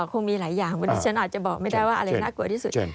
คงมีหลายอย่างวันนี้ฉันอาจจะบอกไม่ได้ว่าอะไรน่ากลัวที่สุด